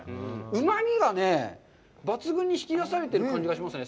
うまみがね、抜群に引き出されてる感じがしますね。